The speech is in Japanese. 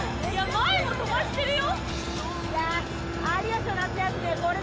前も飛ばしてるよ。